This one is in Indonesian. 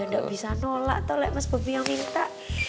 ya gak bisa nolak tolek mas bobi yang minta